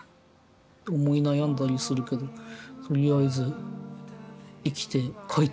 思い悩んだりするけどとりあえず生きて描いてるから。